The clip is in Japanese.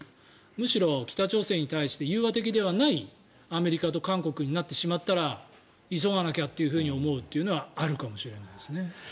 むしろ北朝鮮に対して融和的ではないアメリカと韓国になってしまったら急がなきゃと思うのはあるかもしれないですね。